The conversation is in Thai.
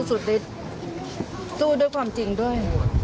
เบิร์ดต้องดูแลตัวเองด้วย